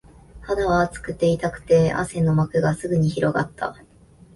肌は熱くて、痛くて、汗の膜がすぐに広がった